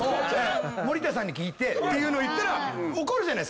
森田さんに聞いてっていうの言ったら怒るじゃない。